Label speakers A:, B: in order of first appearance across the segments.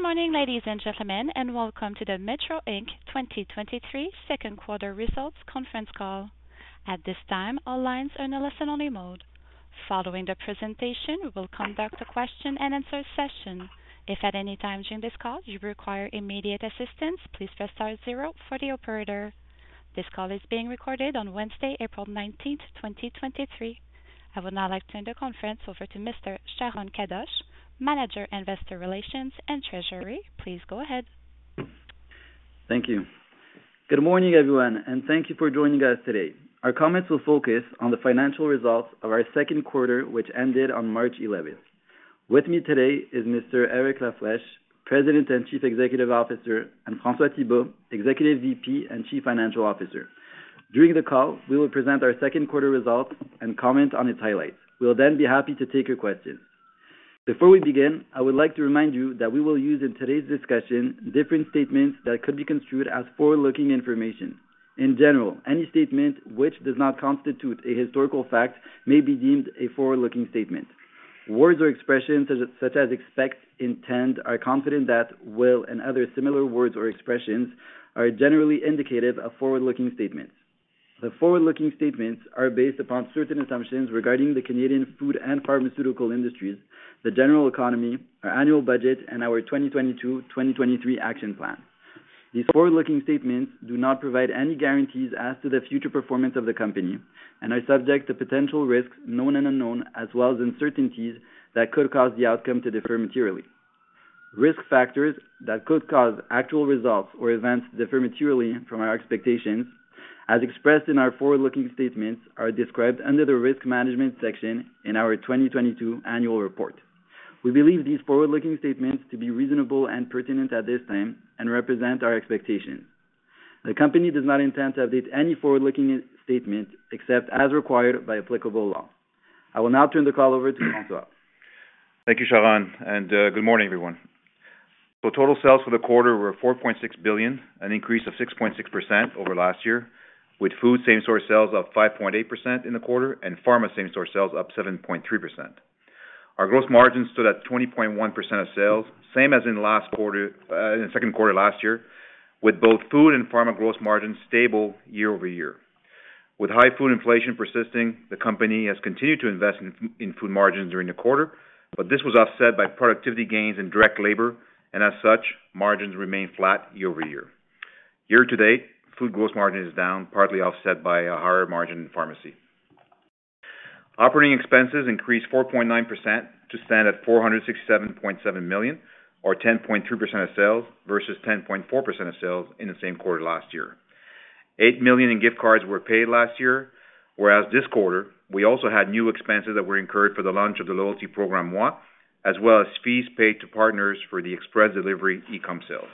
A: Good morning, ladies and gentlemen, and welcome to the Metro Inc. 2023 Q2 results conference call. At this time, all lines are in a listen-only mode. Following the presentation, we will conduct a question-and-answer session. If at any time during this call you require immediate assistance, please press star zero for the operator. This call is being recorded on Wednesday, April 19th, 2023. I would now like to turn the conference over to Mr. Sharon Kadosh, Manager, Investor Relations and Treasury. Please go ahead.
B: Thank you. Good morning, everyone, and thank you for joining us today. Our comments will focus on the financial results of our Q2, which ended on March 11th. With me today is Mr. Eric La Flèche, President and Chief Executive Officer, and François Thibault, Executive VP and Chief Financial Officer. During the call, we will present our Q2 results and comment on its highlights. We'll then be happy to take your questions. Before we begin, I would like to remind you that we will use in today's discussion different statements that could be construed as forward-looking information. In general, any statement which does not constitute a historical fact may be deemed a forward-looking statement. Words or expressions such as expect, intend, are confident that, will, and other similar words or expressions are generally indicative of forward-looking statements. The forward-looking statements are based upon certain assumptions regarding the Canadian food and pharmaceutical industries, the general economy, our annual budget, and our 2022, 2023 action plan. These forward-looking statements do not provide any guarantees as to the future performance of the company and are subject to potential risks, known and unknown, as well as uncertainties that could cause the outcome to differ materially. Risk factors that could cause actual results or events to differ materially from our expectations, as expressed in our forward-looking statements, are described under the Risk Management section in our 2022 annual report. We believe these forward-looking statements to be reasonable and pertinent at this time and represent our expectations. The company does not intend to update any forward-looking statements except as required by applicable law. I will now turn the call over to François.
C: Thank you, Sharon, and good morning, everyone. Total sales for the quarter were 4.6 billion, an increase of 6.6% over last year, with food same-store sales up 5.8% in the quarter and pharma same-store sales up 7.3%. Our gross margin stood at 20.1% of sales, same as in the Q2 last year, with both food and pharma gross margins stable year-over-year. With high food inflation persisting, the company has continued to invest in food margins during the quarter, but this was offset by productivity gains in direct labor, and as such, margins remained flat year-over-year. Year-to-date, food gross margin is down, partly offset by a higher margin in pharmacy. Operating expenses increased 4.9% to stand at CAD 467.7 million or 10.2% of sales versus 10.4% of sales in the same quarter last year. CAD 8 million in gift cards were paid last year, whereas this quarter we also had new expenses that were incurred for the launch of the loyalty program, Moi, as well as fees paid to partners for the express delivery e-com sales.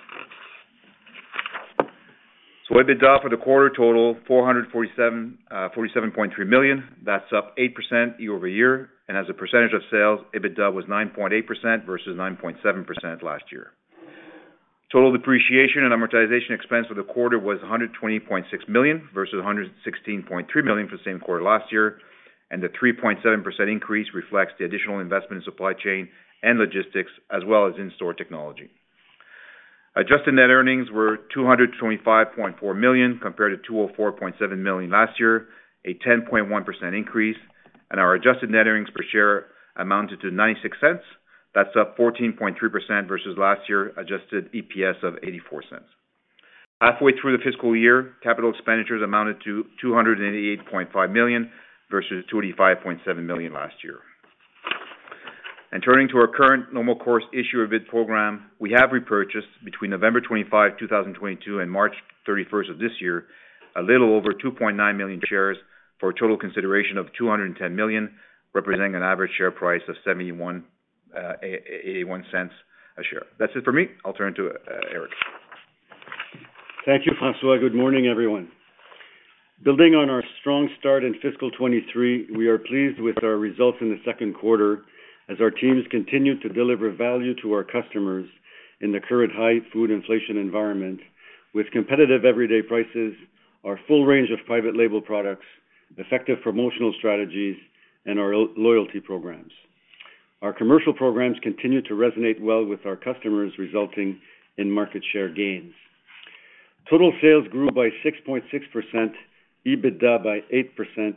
C: EBITDA for the quarter total, 447.3 million. That's up 8% year-over-year and as a percentage of sales, EBITDA was 9.8% versus 9.7% last year. Total depreciation and amortisation expense for the quarter was 120.6 million versus 116.3 million for the same quarter last year. The 3.7% increase reflects the additional investment in supply chain and logistics as well as in-store technology. Adjusted net earnings were 225.4 million compared to 204.7 million last year, a 10.1% increase. Our adjusted net earnings per share amounted to 0.96. That's up 14.3% versus last year adjusted EPS of 0.84. Halfway through the fiscal year, capital expenditures amounted to 288.5 million versus 285.7 million last year. Turning to our current normal course issuer bid program, we have repurchased between November 25, 2022 and March 31 of this year, a little over 2.9 million shares for a total consideration of 210 million, representing an average share price of 0.81 a share. That's it for me. I'll turn to Eric.
A: Thank you, François. Good morning, everyone. Building on our strong start in fiscal 23, we are pleased with our results in the Q2 as our teams continued to deliver value to our customers in the current high food inflation environment with competitive everyday prices, our full range of private label products, effective promotional strategies, and our loyalty programs. Our commercial programs continued to resonate well with our customers, resulting in market share gains. Total sales grew by 6.6%, EBITDA by 8%,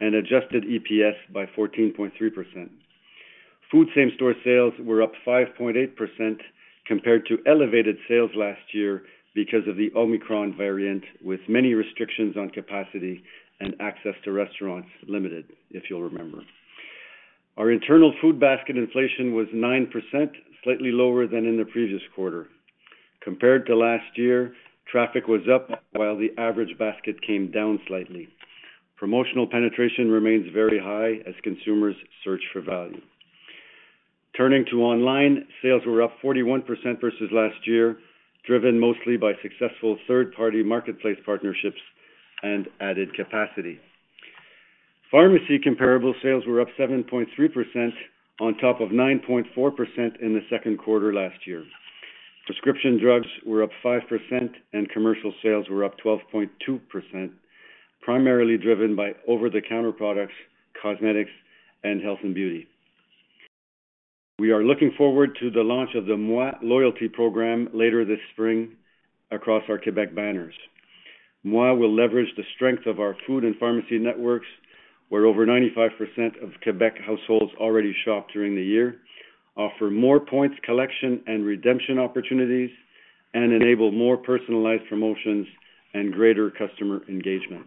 A: and adjusted EPS by 14.3%. Food same-store sales were up 5.8% compared to elevated sales last year because of the Omicron variant, with many restrictions on capacity and access to restaurants limited, if you'll remember. Our internal food basket inflation was 9%, slightly lower than in the previous quarter. Compared to last year, traffic was up while the average basket came down slightly. Promotional penetration remains very high as consumers search for value. Turning to online, sales were up 41% versus last year, driven mostly by successful third-party marketplace partnerships and added capacity. Pharmacy comparable sales were up 7.3% on top of 9.4% in the Q2 last year. Prescription drugs were up 5% and commercial sales were up 12.2%. Primarily driven by over-the-counter products, cosmetics, and health and beauty. We are looking forward to the launch of the Moi loyalty program later this spring across our Quebec banners. Moi will leverage the strength of our food and pharmacy networks, where over 95% of Quebec households already shop during the year, offer more points collection and redemption opportunities, and enable more personalised promotions and greater customer engagement.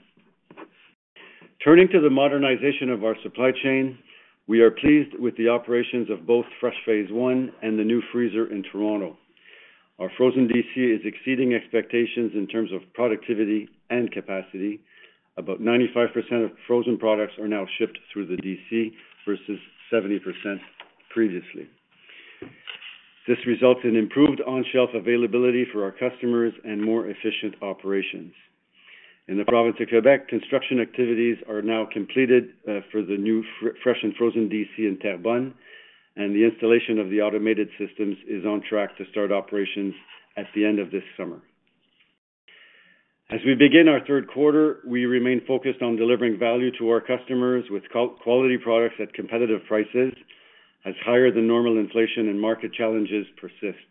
A: Turning to the modernisation of our supply chain, we are pleased with the operations of both fresh phase one and the new freezer in Toronto. Our frozen DC is exceeding expectations in terms of productivity and capacity. About 95% of frozen products are now shipped through the DC versus 70% previously. This results in improved on-shelf availability for our customers and more efficient operations. In the province of Quebec, construction activities are now completed for the new fresh and frozen DC in Terrebonne, and the installation of the automated systems is on track to start operations at the end of this summer. As we begin our Q3, we remain focused on delivering value to our customers with quality products at competitive prices as higher than normal inflation and market challenges persist.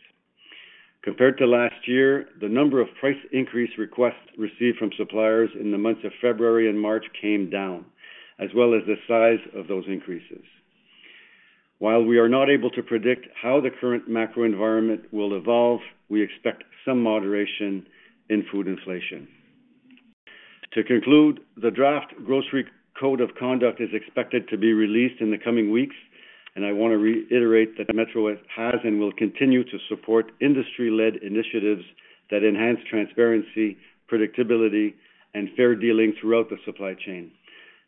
A: Compared to last year, the number of price increase requests received from suppliers in the months of February and March came down, as well as the size of those increases. While we are not able to predict how the current macro environment will evolve, we expect some moderation in food inflation. To conclude, the Draft Grocery Code of Conduct is expected to be released in the coming weeks. I wanna reiterate that Metro has and will continue to support industry-led initiatives that enhance transparency, predictability, and fair dealing throughout the supply chain.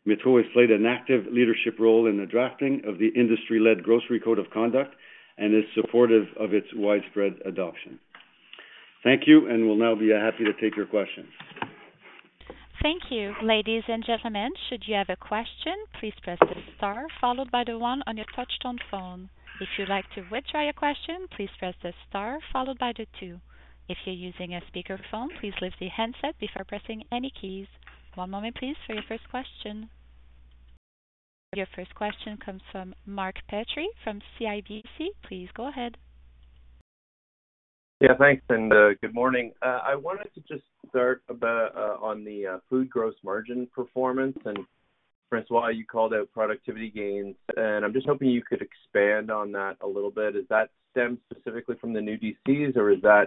A: Metro has played an active leadership role in the drafting of the industry-led Grocery Code of Conduct and is supportive of its widespread adoption. Thank you. Will now be happy to take your questions.
D: Thank you. Ladies and gentlemen, should you have a question, please press the star followed by the one on your touch-tone phone. If you'd like to withdraw your question, please press the star followed by the two. If you're using a speakerphone, please lift the handset before pressing any keys. One moment please for your first question. Your first question comes from Mark Petrie from CIBC. Please go ahead.
E: Thanks, good morning. I wanted to just start about on the food gross margin performance. François, you called out productivity gains, and I'm just hoping you could expand on that a little bit. Does that stem specifically from the new DCs or is that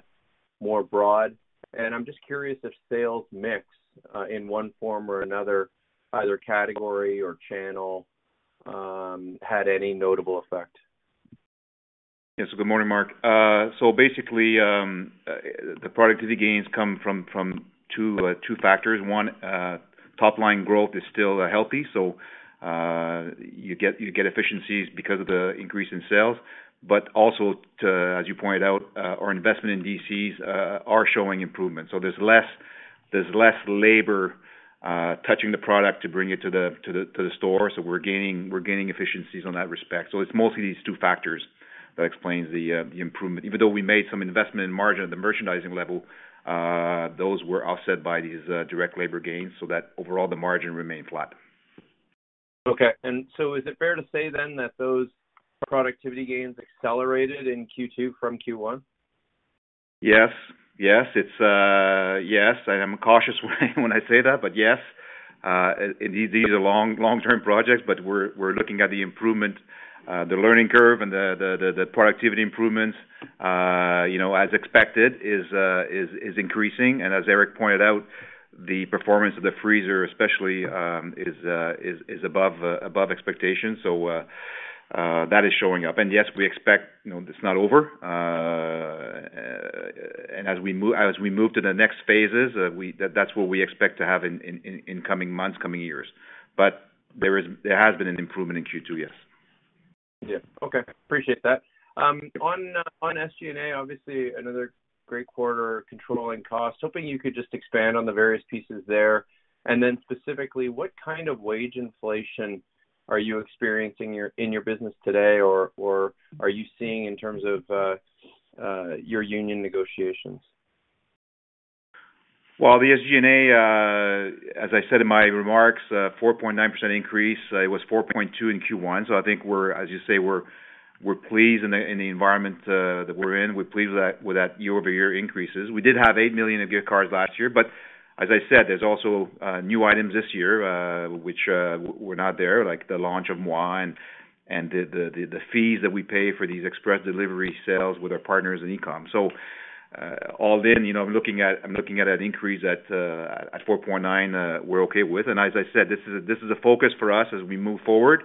E: more broad? I'm just curious if sales mix, in one form or another, either category or channel, had any notable effect.
C: Yes. Good morning, Mark. Basically, the productivity gains come from two factors. One, top line growth is still healthy, so you get efficiencies because of the increase in sales. Also, as you pointed out, our investment in DCs are showing improvement. There's less labor touching the product to bring it to the store. We're gaining efficiencies on that respect. It's mostly these two factors that explains the improvement. Even though we made some investment in margin at the merchandising level, those were offset by these direct labor gains, so that overall the margin remained flat.
E: Okay. Is it fair to say then that those productivity gains accelerated in Q2 from Q1?
C: Yes. Yes. It's... Yes, I am cautious when I say that, but yes, these are long, long-term projects, but we're looking at the improvement, the learning curve and the productivity improvements, you know, as expected is increasing. As Eric pointed out, the performance of the freezer especially, is above expectation. That is showing up. Yes, we expect, you know, it's not over. As we move to the next phases, that's what we expect to have in coming months, coming years. There has been an improvement in Q2, yes.
E: Yeah. Okay. Appreciate that. On SG&A, obviously another great quarter controlling cost. Hoping you could just expand on the various pieces there. Then specifically, what kind of wage inflation are you experiencing in your business today or are you seeing in terms of your union negotiations?
C: Well, the SG&A, as I said in my remarks, 4.9% increase. It was 4.2% in Q1. I think we're, as you say, we're pleased in the environment that we're in. We're pleased with that YoY increases. We did have 8 million in gift cards last year. As I said, there's also new items this year which were not there, like the launch of Moi and the fees that we pay for these express delivery sales with our partners in e-com. All in, you know, I'm looking at an increase at 4.9%, we're okay with. As I said, this is a focus for us as we move forward.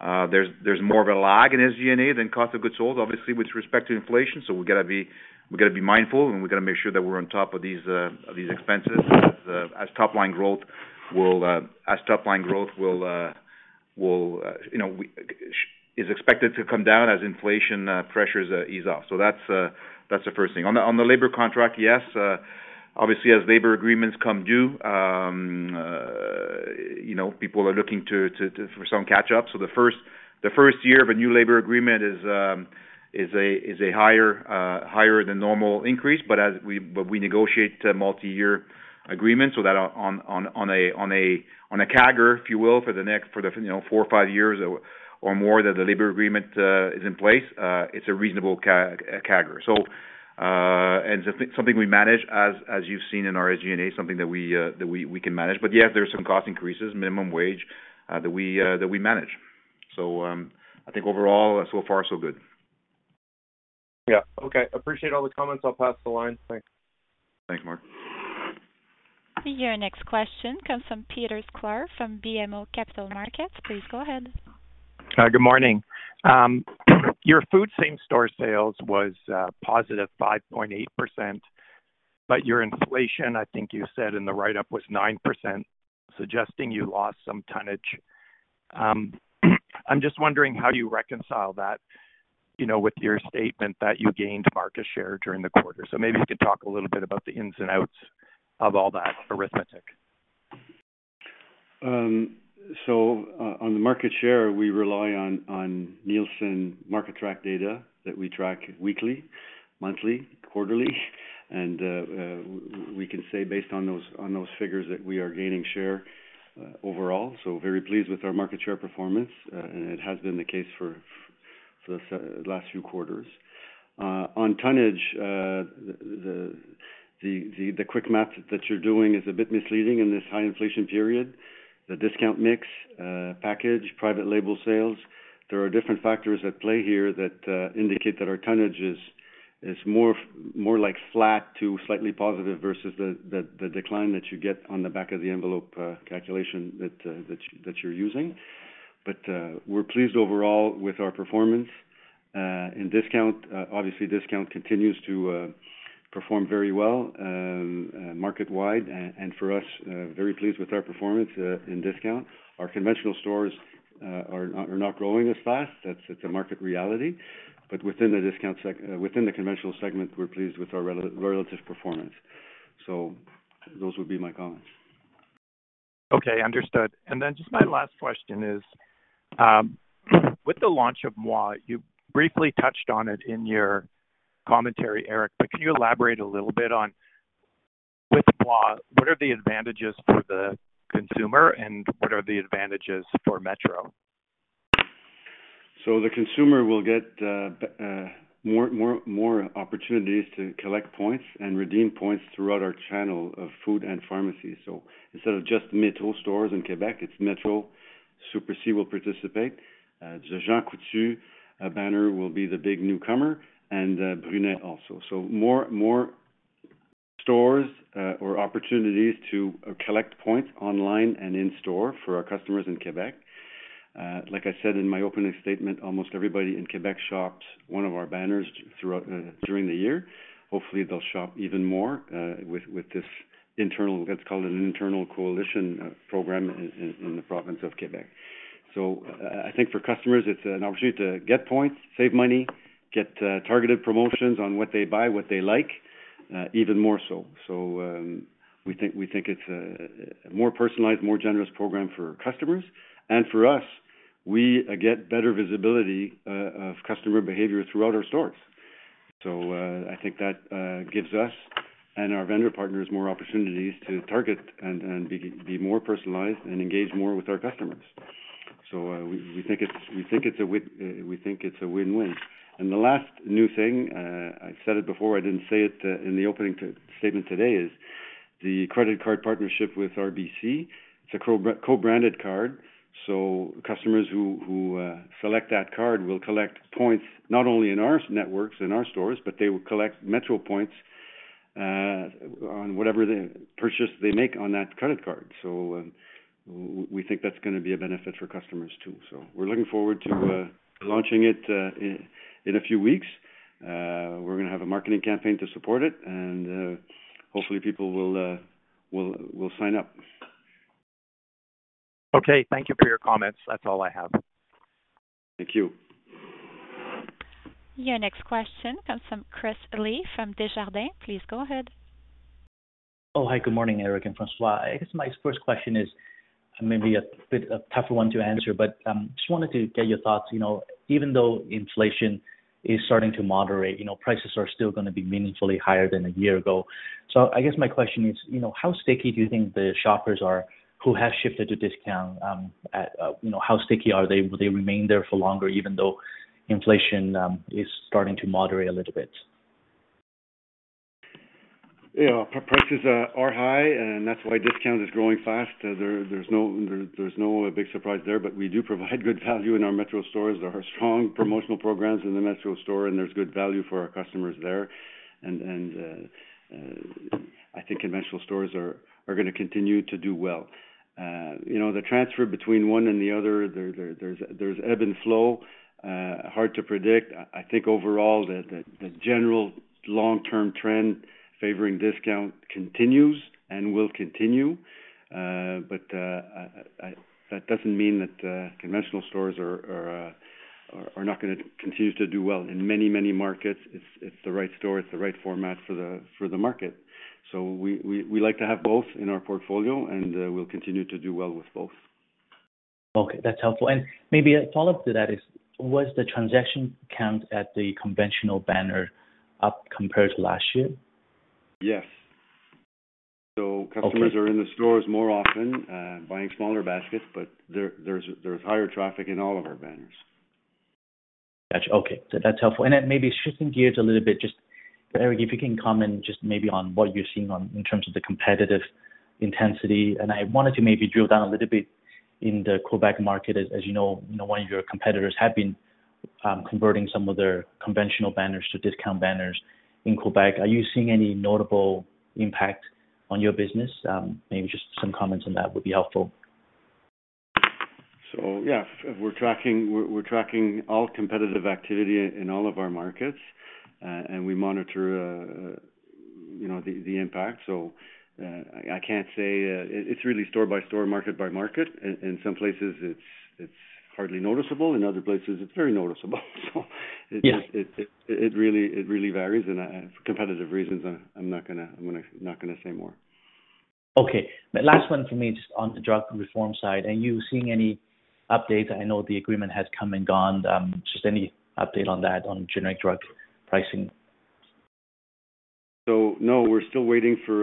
A: There's more of a lag in SG&A than cost of goods sold, obviously with respect to inflation. We gotta be, we gotta be mindful and we gotta make sure that we're on top of these of these expenses as top line growth will you know, is expected to come down as inflation pressures ease off. That's the first thing. On the labor contract, yes, obviously as labor agreements come due, you know, people are looking to for some catch-up. The first year of a new labor agreement is a higher-than-normal increase. As we negotiate a multi-year agreement so that on a CAGR, if you will, for the next, for the, you know, 4 or 5 years or more that the labor agreement is in place, it's a reasonable CAGR. And it's something we manage, as you've seen in our SG&A, something that we can manage. Yeah, there are some cost increases, minimum wage, that we manage. I think overall, so far, so good.
E: Yeah. Okay. Appreciate all the comments. I'll pass the line. Thanks.
A: Thanks, Mark.
D: Your next question comes from Peter Sklar from BMO Capital Markets. Please go ahead.
F: Good morning. Your food same-store sales was positive 5.8%, your inflation, I think you said in the write-up, was 9%, suggesting you lost some tonnage. I'm just wondering how you reconcile that, you know, with your statement that you gained market share during the quarter. Maybe you could talk a little bit about the ins and outs of all that arithmetic.
C: On the market share, we rely on Nielsen MarketTrack data that we track weekly, monthly, quarterly. We can say based on those figures that we are gaining share overall, so very pleased with our market share performance, and it has been the case for the last few quarters. On tonnage, the quick math that you're doing is a bit misleading in this high inflation period. The discount mix, package, private label sales, there are different factors at play here that indicate that our tonnage is more like flat to slightly positive versus the decline that you get on the back of the envelope calculation that you're using. We're pleased overall with our performance in discount. Obviously, discount continues to perform very well, market-wide. For us, very pleased with our performance in discount. Our conventional stores are not growing as fast. That's a market reality. Within the conventional segment, we're pleased with our relative performance. Those would be my comments.
F: Okay, understood. Just my last question is, with the launch of Moi, you briefly touched on it in your commentary, Eric, but can you elaborate a little bit on with Moi, what are the advantages for the consumer and what are the advantages for Metro?
A: The consumer will get more opportunities to collect points and redeem points throughout our channel of food and pharmacy. Instead of just Metro stores in Quebec, it's Metro, Super C will participate. The Jean Coutu banner will be the big newcomer and Brunet also. More stores or opportunities to collect points online and in store for our customers in Quebec. Like I said in my opening statement, almost everybody in Quebec shops one of our banners through during the year. Hopefully, they'll shop even more with this internal, let's call it an internal coalition, program in the province of Quebec. I think for customers, it's an opportunity to get points, save money, get targeted promotions on what they buy, what they like, even more so. We think it's a more personalised, more generous program for customers. For us, we get better visibility of customer behaviour throughout our stores. I think that gives us and our vendor partners more opportunities to target and be more personalised and engage more with our customers. We think it's a win-win. The last new thing, I said it before, I didn't say it in the opening statement today, is the credit card partnership with RBC. It's a co-branded card, so customers who select that card will collect points not only in our networks, in our stores, but they will collect Metro points on whatever they purchase they make on that credit card. We think that's gonna be a benefit for customers, too. We're looking forward to launching it in a few weeks. We're gonna have a marketing campaign to support it, and hopefully people will sign up.
F: Thank you for your comments. That's all I have.
A: Thank you.
D: Your next question comes from Chris Li from Desjardins. Please go ahead.
G: Oh, hi. Good morning, Eric and François. I guess my first question is maybe a bit a tougher one to answer, but, just wanted to get your thoughts. You know, even though inflation is starting to moderate, you know, prices are still gonna be meaningfully higher than a year ago. I guess my question is, you know, how sticky do you think the shoppers are who have shifted to discount, at, you know, how sticky are they? Will they remain there for longer even though inflation is starting to moderate a little bit?
A: Yeah. Prices are high, and that's why discount is growing fast. There's no big surprise there, but we do provide good value in our Metro stores. There are strong promotional programs in the Metro store, and there's good value for our customers there. I think conventional stores are gonna continue to do well. You know, the transfer between one and the other, there's ebb and flow. Hard to predict. I think overall, the general long-term trend favouring discount continues and will continue. That doesn't mean that conventional stores are not gonna continue to do well in many, many markets. It's the right store, it's the right format for the market. We like to have both in our portfolio, and we'll continue to do well with both.
G: Okay, that's helpful. Maybe a follow-up to that is, was the transaction count at the conventional banner up compared to last year?
A: Yes.
G: Okay.
A: Customers are in the stores more often, buying smaller baskets, but there's higher traffic in all of our banners.
G: Gotcha. Okay. That's helpful. Maybe shifting gears a little bit, just, Eric, if you can comment just maybe on what you're seeing on in terms of the competitive intensity, and I wanted to maybe drill down a little bit in the Quebec market. As you know, one of your competitors have been converting some of their conventional banners to discount banners in Quebec. Are you seeing any notable impact on your business? Maybe just some comments on that would be helpful.
A: Yeah, we're tracking all competitive activity in all of our markets. We monitor, you know, the impact. I can't say it's really store by store, market by market. In some places, it's hardly noticeable. In other places, it's very noticeable.
G: Yeah.
A: It really varies, and for competitive reasons, I'm not gonna say more.
G: The last one for me, just on the drug reform side. Are you seeing any updates? I know the agreement has come and gone. Just any update on that, on generic drug pricing?
A: No, we're still waiting for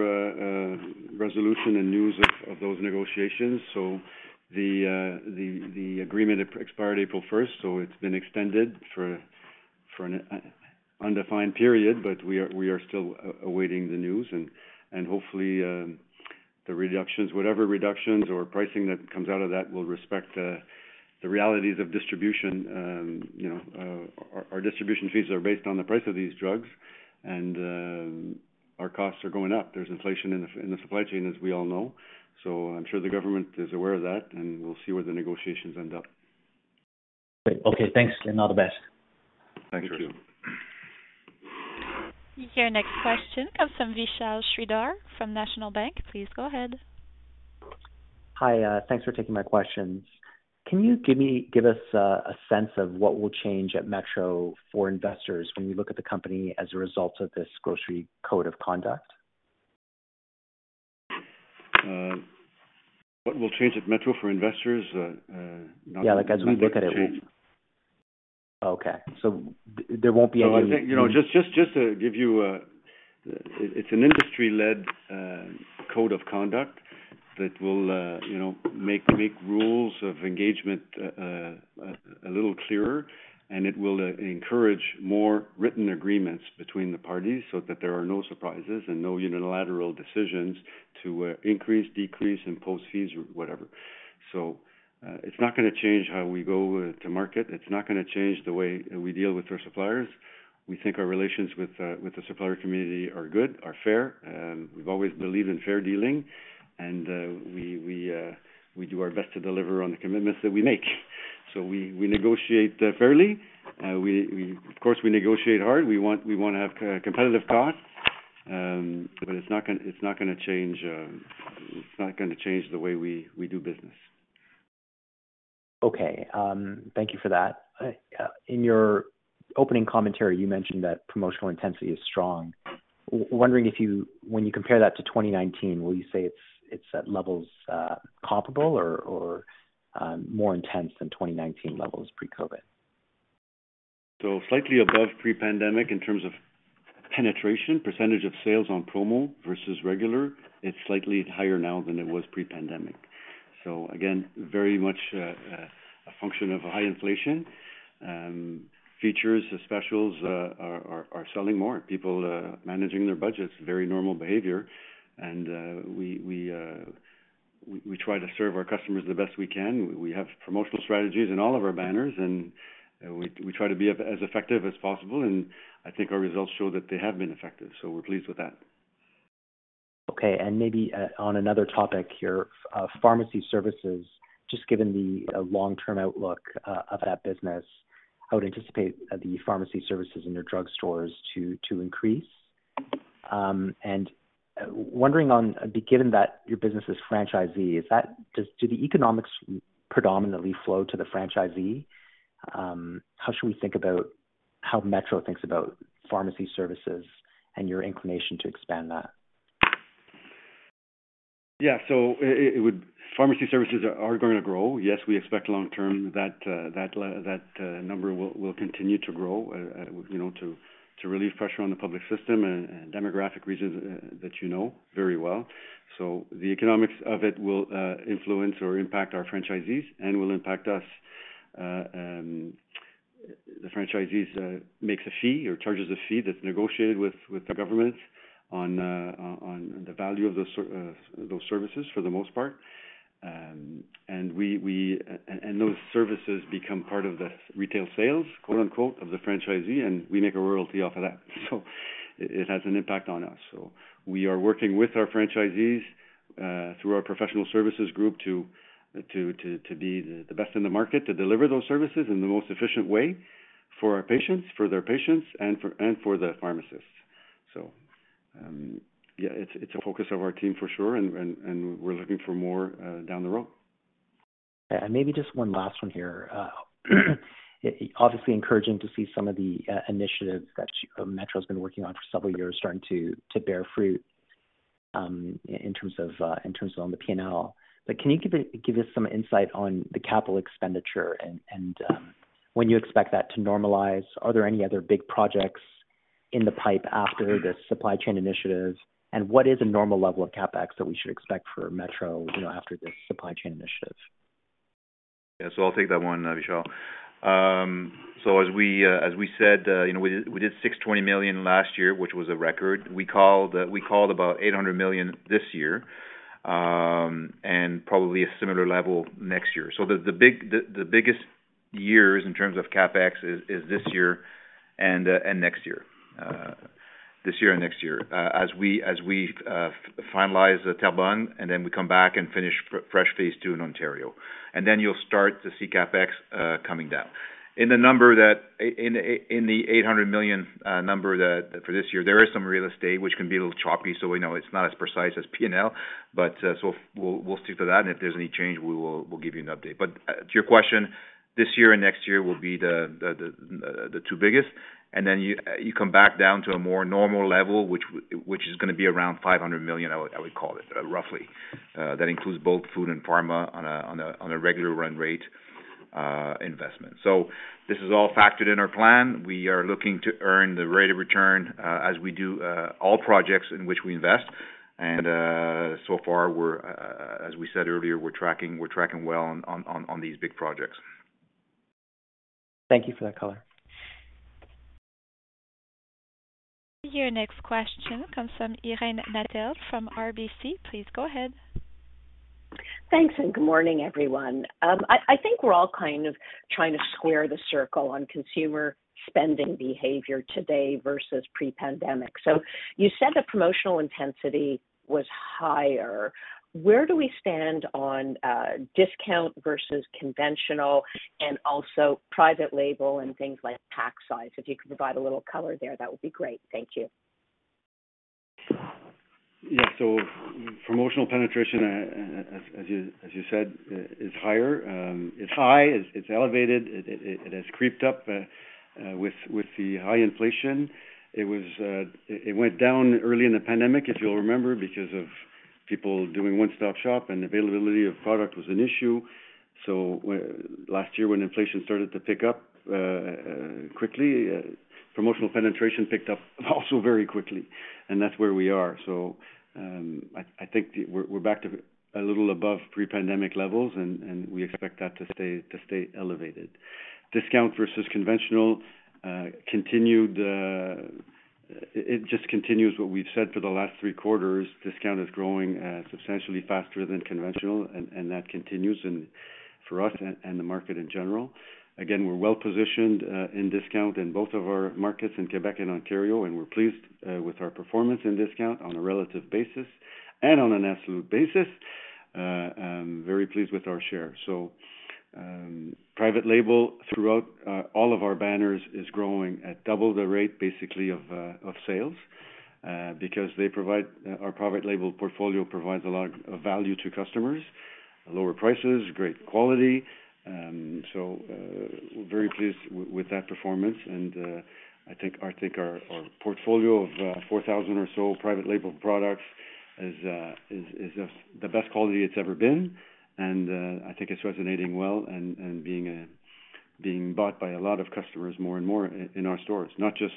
A: resolution and news of those negotiations. The agreement expired April first, so it's been extended for an undefined period, but we are still awaiting the news and hopefully the reductions, whatever reductions or pricing that comes out of that will respect the realities of distribution. You know, our distribution fees are based on the price of these drugs, and our costs are going up. There's inflation in the supply chain, as we all know, so I'm sure the government is aware of that, and we'll see where the negotiations end up.
G: Great. Okay, thanks, and all the best.
A: Thanks, Chris.
D: Your next question comes from Vishal Shreedhar from National Bank. Please go ahead.
H: Hi, thanks for taking my questions. Can you give us a sense of what will change at Metro for investors when we look at the company as a result of this Grocery Code of Conduct?
A: What will change at Metro for investors? Not much will change.
H: Yeah, like, as we look at it. Okay.
A: I think, you know, just to give you. It's an industry-led Code of Conduct that will, you know, make rules of engagement a little clearer, and it will encourage more written agreements between the parties so that there are no surprises and no unilateral decisions to increase, decrease, impose fees or whatever. It's not gonna change how we go to market. It's not gonna change the way we deal with our suppliers. We think our relations with the supplier community are good, are fair. We've always believed in fair dealing and we do our best to deliver on the commitments that we make. We negotiate fairly. Of course, we negotiate hard. We wanna have competitive costs, but it's not gonna change the way we do business.
H: Okay. Thank you for that. In your opening commentary, you mentioned that promotional intensity is strong. Wondering if you when you compare that to 2019, will you say it's at levels comparable or more intense than 2019 levels pre-COVID?
A: Slightly above pre-pandemic in terms of penetration, percentage of sales on promo versus regular. It's slightly higher now than it was pre-pandemic. Again, very much a function of high inflation. Features, the specials are selling more. People managing their budgets, very normal behaviour. We try to serve our customers the best we can. We have promotional strategies in all of our banners, and we try to be as effective as possible, and I think our results show that they have been effective, so we're pleased with that.
H: Okay. Maybe on another topic here, pharmacy services, just given the long-term outlook of that business, I would anticipate the pharmacy services in your drugstores to increase. Wondering given that your business is franchisee, do the economics predominantly flow to the franchisee? How should we think about how Metro thinks about pharmacy services and your inclination to expand that?
A: Yeah. Pharmacy services are going to grow. Yes, we expect long term, that number will continue to grow, you know, to relieve pressure on the public system and demographic reasons that you know very well. The economics of it will influence or impact our franchisees and will impact us. The franchisees makes a fee or charges a fee that's negotiated with the government on the value of those services, for the most part. Those services become part of the retail sales, quote-unquote, "Of the franchisee," and we make a royalty off of that. It has an impact on us. We are working with our franchisees, through our professional services group to be the best in the market, to deliver those services in the most efficient way. For our patients, for their patients, and for the pharmacists. Yeah, it's a focus of our team for sure, and we're looking for more down the road.
H: Maybe just one last one here. Obviously encouraging to see some of the initiatives that Metro's been working on for several years starting to bear fruit in terms of on the P&L. Can you give us some insight on the capital expenditure and when you expect that to normalise? Are there any other big projects in the pipe after this supply chain initiatives? What is a normal level of CapEx that we should expect for Metro, you know, after this supply chain initiative?
C: I'll take that one, Vishal. As we said, you know, we did 620 million last year, which was a record. We called about 800 million this year, and probably a similar level next year. The biggest years in terms of CapEx is this year and next year. This year and next year. As we finalise the Talbot and then we come back and finish fresh phase two in Ontario. Then you'll start to see CapEx coming down. In the number that. In the 800 million number that for this year, there is some real estate which can be a little choppy, we know it's not as precise as P&L. We'll stick to that, and if there's any change, we will give you an update. To your question, this year and next year will be the two biggest. Then you come back down to a more normal level, which is gonna be around 500 million, I would call it roughly. That includes both food and pharma on a regular run rate investment. This is all factored in our plan. We are looking to earn the rate of return as we do all projects in which we invest. So far, we're, as we said earlier, we're tracking well on these big projects.
H: Thank you for that color.
D: Your next question comes from Irene Nattel from RBC. Please go ahead.
I: Thanks. Good morning, everyone. I think we're all kind of trying to square the circle on consumer spending behaviour today versus pre-pandemic. You said the promotional intensity was higher. Where do we stand on discount versus conventional and also private label and things like pack size? If you could provide a little color there, that would be great. Thank you.
A: Yeah. Promotional penetration, as you said, is higher. It's elevated. It has creeped up with the high inflation. It went down early in the pandemic, if you'll remember, because of people doing one-stop shop and availability of product was an issue. Last year when inflation started to pick up quickly, promotional penetration picked up also very quickly, and that's where we are. We're back to a little above pre-pandemic levels, and we expect that to stay elevated. Discount versus conventional, it just continues what we've said for the last three quarters. Discount is growing substantially faster than conventional, and that continues and for us and the market in general. Again, we're well-positioned in discount in both of our markets in Quebec and Ontario, and we're pleased with our performance in discount on a relative basis and on an absolute basis. Very pleased with our share. Private label throughout all of our banners is growing at double the rate basically of sales because our private label portfolio provides a lot of value to customers, lower prices, great quality. Very pleased with that performance. I think our portfolio of 4,000 or so private label products is just the best quality it's ever been. I think it's resonating well and being bought by a lot of customers more and more in our stores. Not just...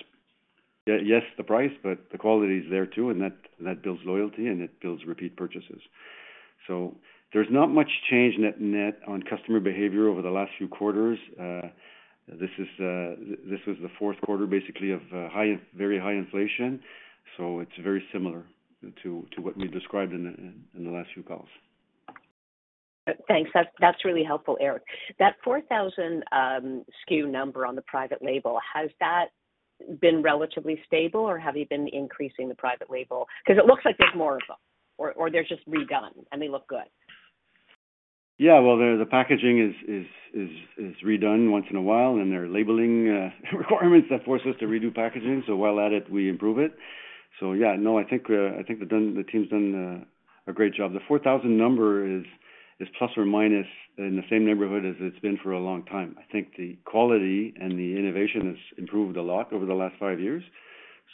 A: Yes, the price, but the quality is there too, and that builds loyalty and it builds repeat purchases. There's not much change net on customer behaviour over the last few quarters. This is, this was the Q4 basically of high, very high inflation. It's very similar to what we described in the last few calls.
I: Thanks. That's really helpful, Eric. That 4,000 SKU number on the private label, has that been relatively stable, or have you been increasing the private label? 'Cause it looks like there's more of them or they're just redone and they look good.
A: Well, the packaging is redone once in a while, and there are labeling requirements that force us to redo packaging. While at it, we improve it. Yeah. No, I think the team's done a great job. The 4,000 number is plus or minus in the same neighbourhood as it's been for a long time. I think the quality and the innovation has improved a lot over the last five years.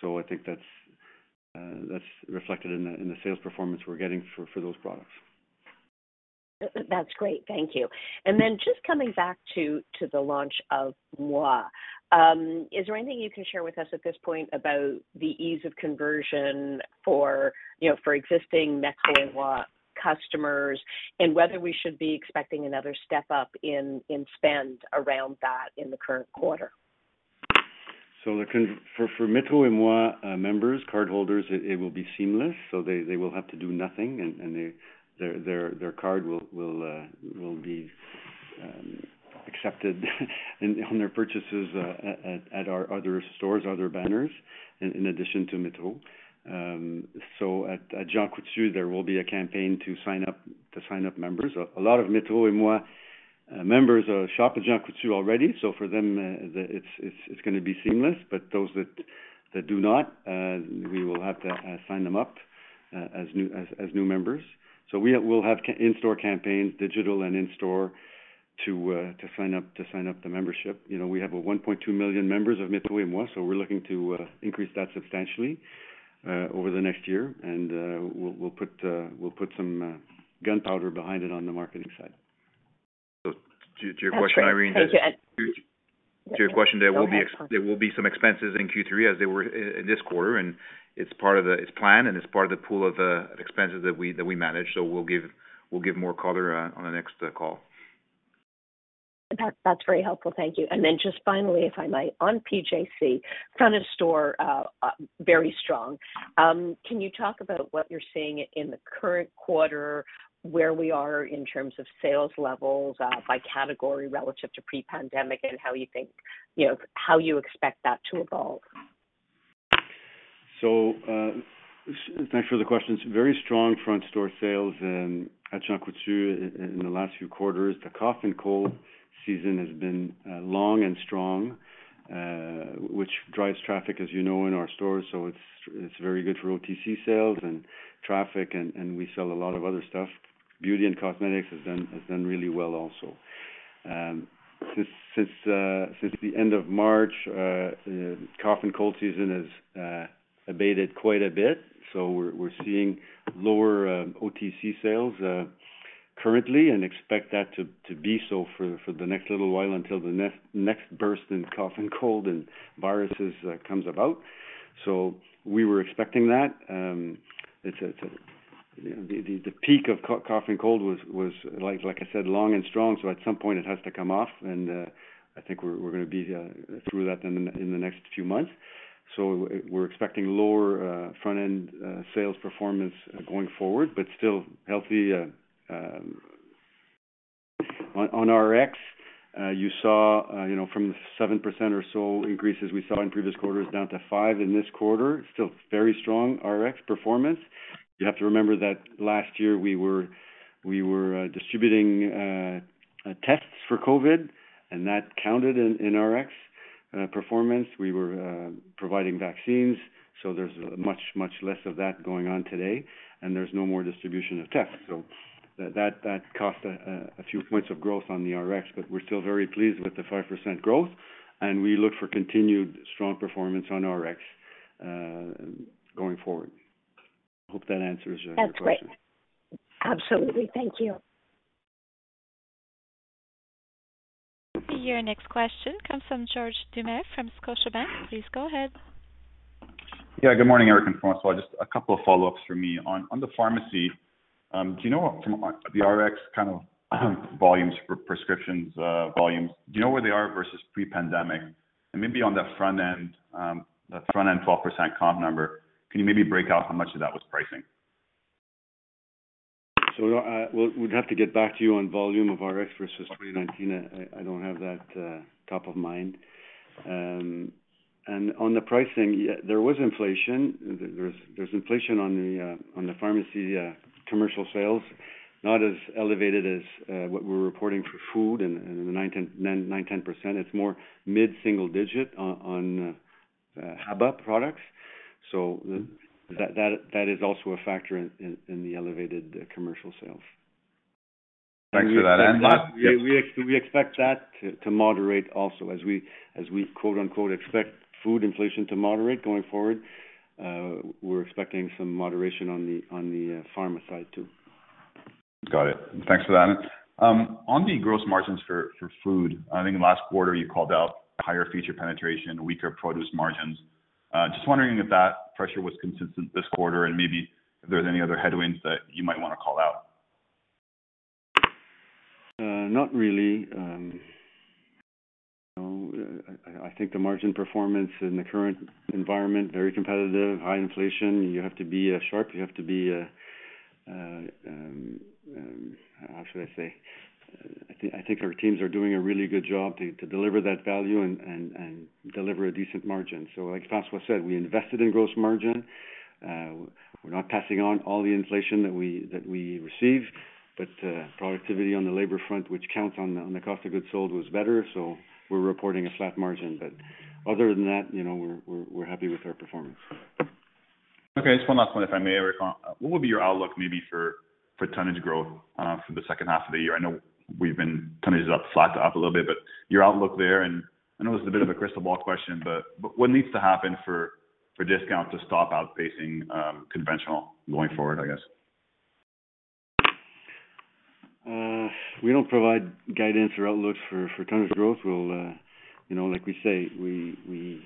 A: I think that's reflected in the sales performance we're getting for those products.
I: That's great. Thank you. Just coming back to the launch of Moi. Is there anything you can share with us at this point about the ease of conversion for, you know, for existing Metro & Moi customers, and whether we should be expecting another step up in spend around that in the current quarter?
A: For Metro & Moi members, cardholders, it will be seamless. They will have to do nothing and their card will be accepted on their purchases at our other stores, other banners in addition to Metro. At Jean Coutu, there will be a campaign to sign up members. A lot of Metro & Moi members of Shop at Jean Coutu already, so for them, it's going to be seamless, but those that do not, we will have to sign them up as new members. We'll have in-store campaigns, digital and in-store to sign up the membership. You know, we have a 1.2 million members of Metro & Moi. We're looking to increase that substantially over the next year. We'll put some gunpowder behind it on the marketing side.
C: To your question, Irene.
I: That's very
C: To your question, there will be some expenses in Q3 as there were in this quarter, and it's part of the, it's planned, and it's part of the pool of expenses that we manage. We'll give more color on the next call.
I: That's very helpful. Thank you. Then just finally, if I might, on PJC, front of store, very strong. Can you talk about what you're seeing in the current quarter, where we are in terms of sales levels, by category relative to pre-pandemic, and how you think, you know, how you expect that to evolve?
A: Thanks for the question. It's very strong front store sales and at Jean Coutu in the last few quarters. The cough and cold season has been long and strong, which drives traffic, as you know, in our stores, so it's very good for OTC sales and traffic, and we sell a lot of other stuff. Beauty and cosmetics has done really well also. Since the end of March, cough and cold season has abated quite a bit, so we're seeing lower OTC sales currently and expect that to be so for the next little while until the next burst in cough and cold and viruses comes about. We were expecting that. It's a... The peak of cough and cold was like I said, long and strong, so at some point it has to come off, and I think we're gonna be through that in the next few months. We're expecting lower front-end sales performance going forward, but still healthy. On Rx, you saw, you know, from the 7% or so increases we saw in previous quarters down to 5% in this quarter, still very strong Rx performance. You have to remember that last year we were distributing tests for COVID, and that counted in Rx performance. We were providing vaccines, so there's much less of that going on today, and there's no more distribution of tests. That cost a few points of growth on the Rx, but we're still very pleased with the 5% growth, and we look for continued strong performance on Rx, going forward. Hope that answers your question.
I: That's great. Absolutely. Thank you.
D: Your next question comes from George Doumet from Scotiabank. Please go ahead.
J: Good morning, Eric and François. Just a couple of follow-ups for me. On the pharmacy, do you know from the Rx kind of volumes for prescriptions, volumes, do you know where they are versus pre-pandemic? Maybe on the front end, the front-end 12% comp number, can you maybe break out how much of that was pricing?
A: We'd have to get back to you on volume of Rx versus 2019. I don't have that top of mind. On the pricing, yeah, there was inflation. There's inflation on the pharmacy commercial sales. Not as elevated as what we're reporting for food and the 9% to 10%. It's more mid-single digit on HABA products. That is also a factor in the elevated commercial sales.
J: Thanks for that.
A: We expect that to moderate also as we, as we quote-unquote, "Expect food inflation to moderate going forward," we're expecting some moderation on the pharma side too.
J: Got it. Thanks for that. On the gross margins for food, I think last quarter you called out higher feature penetration, weaker produce margins. Just wondering if that pressure was consistent this quarter and maybe if there's any other headwinds that you might wanna call out.
A: Not really. I think the margin performance in the current environment, very competitive, high inflation. You have to be sharp. You have to be, how should I say? I think our teams are doing a really good job to deliver that value and deliver a decent margin. Like François said, we invested in gross margin. We're not passing on all the inflation that we receive, but productivity on the labor front, which counts on the cost of goods sold, was better, so we're reporting a flat margin. Other than that, you know, we're happy with our performance.
J: Just one last one, if I may, Eric. What would be your outlook maybe for tonnage growth for the H2 of the year? Tonnage is up, flat to up a little bit, but your outlook there, and I know this is a bit of a crystal ball question, but what needs to happen for discount to stop outpacing conventional going forward, I guess?
A: We don't provide guidance or outlooks for tonnage growth. We'll, you know, like we say, we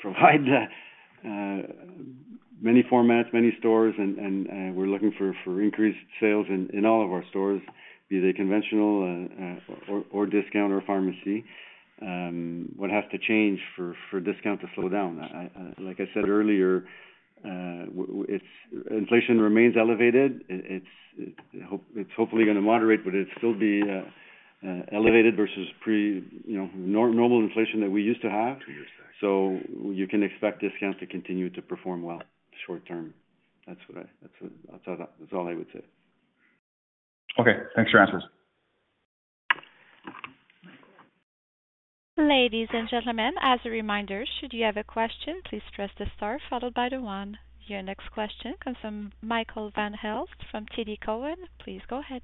A: provide many formats, many stores, and we're looking for increased sales in all of our stores, be they conventional or discount or pharmacy. What has to change for discount to slow down? Like I said earlier, inflation remains elevated. It's hopefully gonna moderate, but it's still be elevated versus pre, you know, normal inflation that we used to have. You can expect discount to continue to perform well short term.
C: That's all I would say.
A: Okay, thanks for your answers.
D: Ladies and gentlemen, as a reminder, should you have a question, please press the star followed by the one. Your next question comes from Michael Van Aelst from TD Cowen. Please go ahead.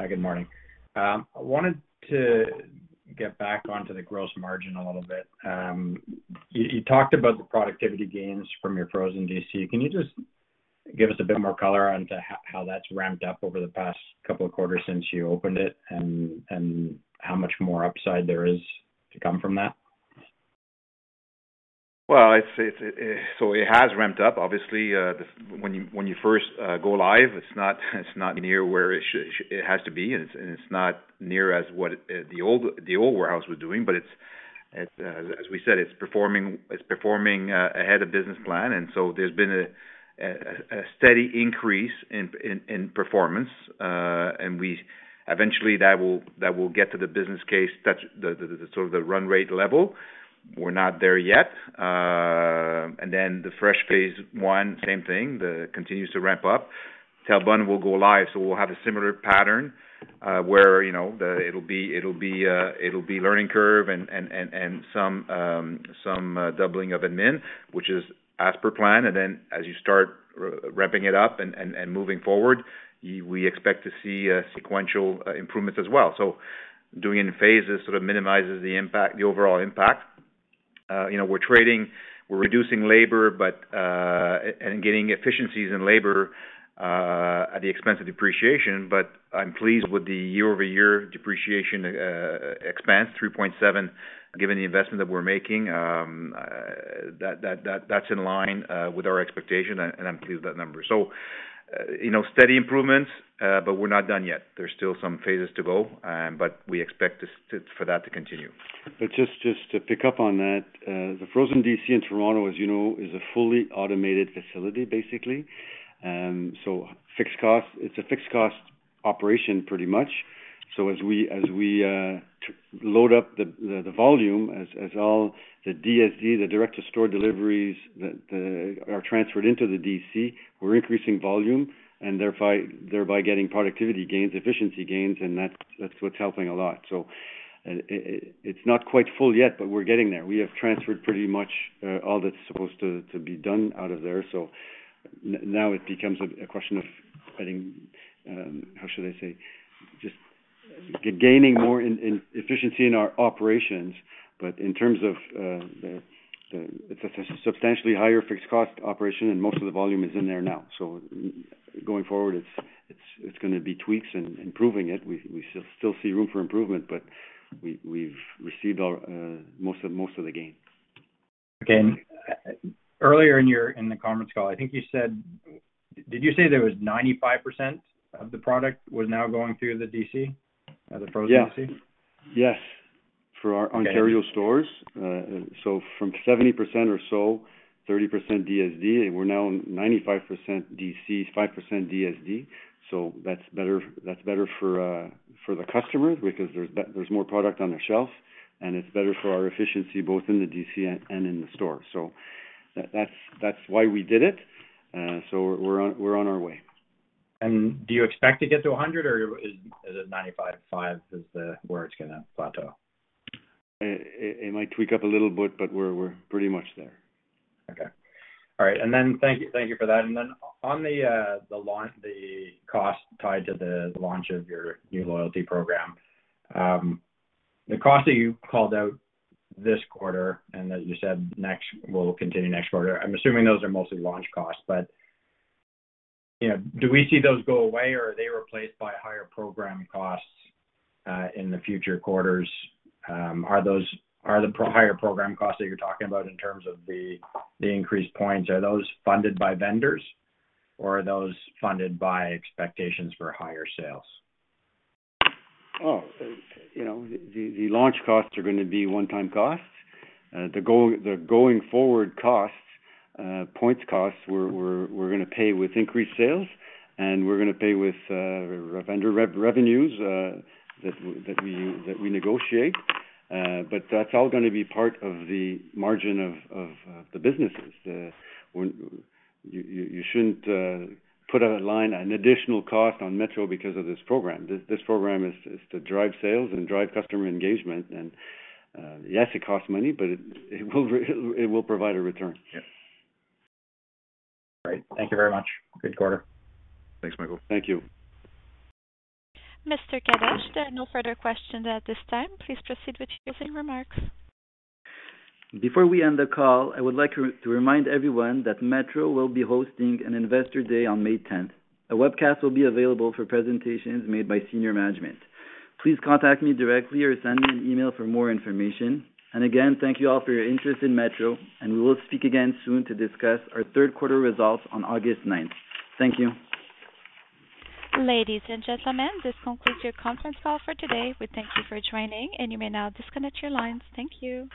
K: Hi, good morning. I wanted to get back onto the gross margin a little bit. You talked about the productivity gains from your frozen DC. Can you just give us a bit more color on to how that's ramped up over the past couple of quarters since you opened it and how much more upside there is to come from that?
C: It's ramped up, obviously. When you first go live, it's not near where it has to be, and it's not near as what the old warehouse was doing. It's as we said, it's performing ahead of business plan. There's been a steady increase in performance. Eventually that will get to the business case, touch the sort of the run rate level. We're not there yet. The fresh phase one, same thing, continues to ramp up. Talbot will go live. We'll have a similar pattern, where, you know, it'll be learning curve and some doubling of admin, which is as per plan. Then as you start ramping it up and moving forward, we expect to see sequential improvements as well. Doing it in phases sort of minimises the impact, the overall impact. You know, we're trading, we're reducing labor, but getting efficiencies in labor at the expense of depreciation. I'm pleased with the year-over-year depreciation expanse, 3.7, given the investment that we're making. That's in line with our expectation, and I'm pleased with that number. You know, steady improvements, but we're not done yet. There's still some phases to go, but we expect for that to continue.
A: Just to pick up on that, the frozen DC in Toronto, as you know, is a fully automated facility, basically. Fixed cost. It's a fixed cost operation, pretty much. As we load up the volume as all the DSD, the direct to store deliveries, are transferred into the DC, we're increasing volume and thereby getting productivity gains, efficiency gains, and that's what's helping a lot. It's not quite full yet, but we're getting there. We have transferred pretty much all that's supposed to be done out of there. Now it becomes a question of getting, how should I say? Just gaining more in efficiency in our operations. In terms of, it's a substantially higher fixed cost operation and most of the volume is in there now. Going forward, it's, it's gonna be tweaks and improving it. We still see room for improvement, but we've received most of the gains.
K: Earlier in your, in the conference call, I think you said. Did you say there was 95% of the product was now going through the DC? The frozen DC?
A: Yeah. Yes. For our Ontario stores. From 70% or so, 30% DSD, we're now 95% DC, 5% DSD. That's better for the customers because there's more product on the shelf, and it's better for our efficiency both in the DC and in the store. That's why we did it. We're on our way.
K: Do you expect to get to 100 or is it 95, 5 is the, where it's gonna plateau?
A: It might tweak up a little bit, but we're pretty much there.
K: Okay. All right. Thank you for that. On the cost tied to the launch of your new loyalty program, the cost that you called out this quarter, and as you said, will continue next quarter, I'm assuming those are mostly launch costs. You know, do we see those go away or are they replaced by higher program costs in the future quarters? Are the higher program costs that you're talking about in terms of the increased points, are those funded by vendors or are those funded by expectations for higher sales?
A: You know, the launch costs are gonna be one-time costs. The going forward costs, points costs, we're gonna pay with increased sales, and we're gonna pay with vendor revenues that we negotiate. That's all gonna be part of the margin of the businesses. You shouldn't put a line, an additional cost on Metro because of this program. This program is to drive sales and drive customer engagement. Yes, it costs money, but it will provide a return.
C: Yes.
K: All right. Thank you very much. Good quarter.
C: Thanks, Michael.
A: Thank you.
D: Mr. Kadosh, there are no further questions at this time. Please proceed with your closing remarks.
B: Before we end the call, I would like to remind everyone that Metro will be hosting an Investor Day on May tenth. A webcast will be available for presentations made by senior management. Please contact me directly or send me an email for more information. Again, thank you all for your interest in Metro, and we will speak again soon to discuss our Q3 results on August ninth. Thank you.
D: Ladies and gentlemen, this concludes your conference call for today. We thank you for joining. You may now disconnect your lines. Thank you.